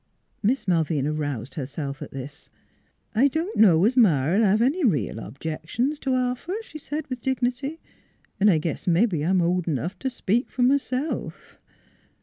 Miss Malvina roused herself at this. " I don't know es Ma '11 hev any reel objec tions t' offer," she said, with dignity. " 'N' I guess mebbe I'm old enough t' speak f'r m'self."